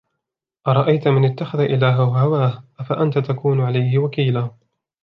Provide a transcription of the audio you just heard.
أرأيت من اتخذ إلهه هواه أفأنت تكون عليه وكيلا